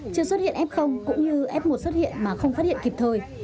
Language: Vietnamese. chưa xuất hiện f cũng như f một xuất hiện mà không phát hiện kịp thời